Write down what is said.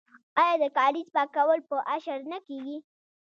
آیا د کاریز پاکول په اشر نه کیږي؟